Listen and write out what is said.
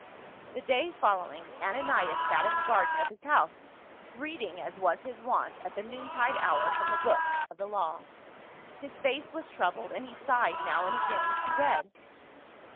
The day following Ananias sat in the garden of his house, reading as was his wont at the noontide hour from the books of the law. His face was troubled, and he sighed now and again as he read.